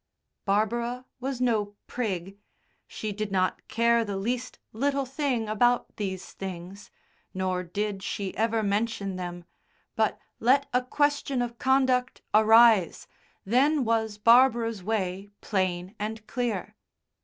Barbara was no prig. She did not care the least little thing about these things, nor did she ever mention them, but let a question of conduct arise, then was Barbara's way plain and clear.